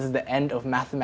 tapi sekarang kita tahu